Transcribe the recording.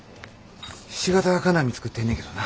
ひし形金網作ってんねんけどな。